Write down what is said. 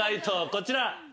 こちら。